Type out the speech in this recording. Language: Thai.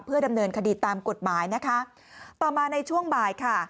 ดำเนินคดีตามกฎหมายนะคะต่อมาในช่วงบ่ายค่ะ